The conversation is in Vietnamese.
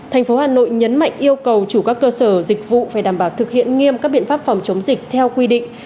tp hcm nhấn mạnh yêu cầu chủ các cơ sở dịch vụ phải đảm bảo thực hiện nghiêm các biện pháp phòng chống dịch theo quy định